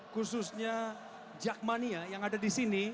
khususnya jakmania yang ada disini